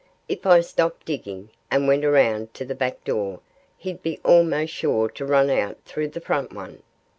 If I stopped digging, and went around to the back door, he'd be almost sure to run out through the front one.